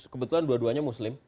kebetulan dua duanya muslim